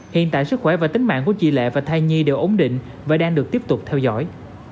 hiện tại sức khỏe và tính mạng của chị lệ và thai nhi đều ổn định và đang được tiếp tục theo dõi